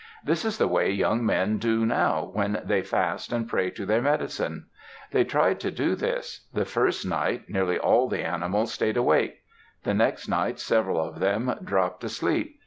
This is the way young men do now when they fast and pray to their medicine. They tried to do this. The first night, nearly all the animals stayed awake. The next night several of them dropped asleep.